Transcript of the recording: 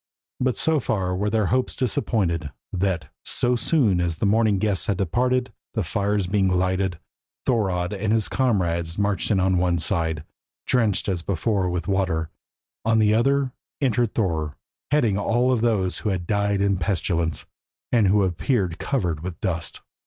But so far were their hopes disappointed, that, so soon as the mourning guests had departed, the fires being lighted, Thorodd and his comrades marched in on one side, drenched as before with water; on the other entered Thorer, heading all those who had died in the pestilence, and who appeared covered with dust.